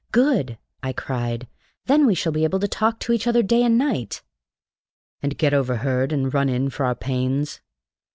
"Good!" I cried. "Then we shall be able to talk to each other day and night!" "And get overheard and run in for our pains?